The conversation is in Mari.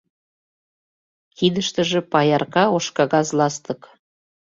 Кидыштыже паярка ош кагаз ластык.